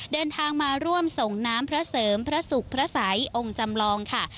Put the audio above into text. เดินทางมาร่วมส่งน้ำพระเสริมพระสุขพระสัยองค์จำลองค่ะ